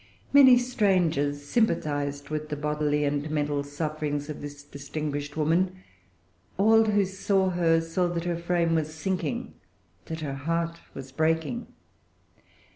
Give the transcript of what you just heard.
Many strangers sympathized with the bodily and mental sufferings of this distinguished woman. All who saw her saw that her frame was sinking, that her heart was breaking.